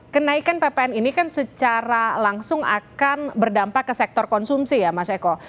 kenaikan ppn ini kan secara langsung akan berdampak ke sektor konsumsi ya mas eko